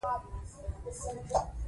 دوی پاڼ پر انګریزانو اړولی وو.